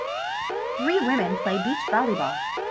Three woman play beach volleyball.